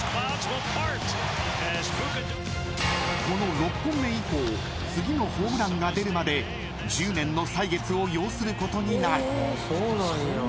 ［この６本目以降次のホームランが出るまで１０年の歳月を要することになる］